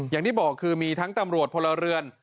อย่างที่บอกคือมีทั้งตำรวจพลเรือน